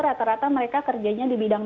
rata rata mereka kerjanya di bidang